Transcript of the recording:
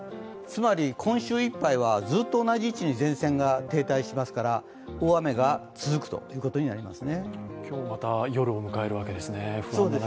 つまり今週いっぱいは、ずっと同じ位置に前線が停滞しますから大雨が続くということになります。